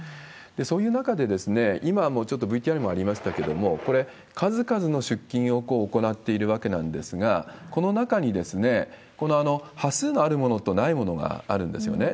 そういう中で、今もちょっとＶＴＲにもありましたけれども、これ、数々の出金を行っているわけなんですが、この中に端数のあるものとないものがあるんですよね。